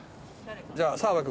じゃあ澤部君。